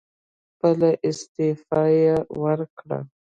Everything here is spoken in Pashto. خپله استعفی یې ورکړه.